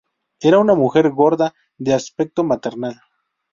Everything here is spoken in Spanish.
Era una mujer gorda, de aspecto maternal.